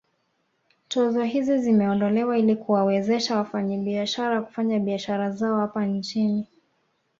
Tozo hizi zimeondolewa ili kuwawezesha wafanyabiashara kufanya biashara zao hapa nchini